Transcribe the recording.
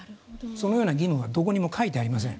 そのような義務はどこにも書いてありません。